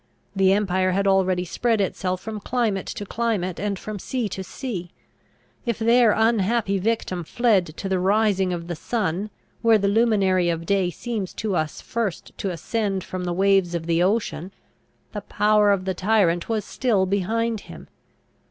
The empire had already spread itself from climate to climate, and from sea to sea. If their unhappy victim fled to the rising of the sun, where the luminary of day seems to us first to ascend from the waves of the ocean, the power of the tyrant was still behind him.